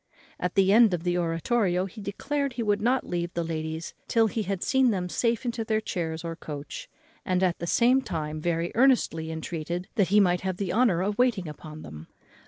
At the end of the oratorio he declared he would not leave the ladies till he had seen them safe into their chairs or coach; and at the same time very earnestly entreated that he might have the honour of waiting on them.